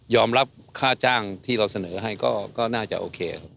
รับค่าจ้างที่เราเสนอให้ก็น่าจะโอเคครับ